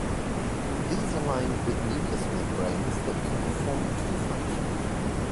These are lined with mucous membranes that can perform two functions.